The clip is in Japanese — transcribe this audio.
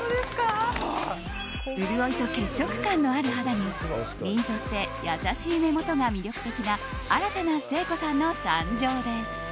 潤いと血色感のある肌に凛として優しい目元が魅力的な新たな誠子さんの誕生です。